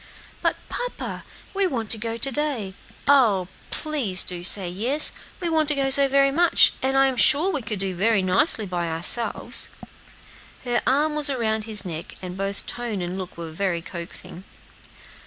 "But, papa, we want to go to day. Oh! please do say yes; we want to go so very much, and I'm sure we could do very nicely by ourselves." Her arm was around his neck, and both tone and look were very coaxing.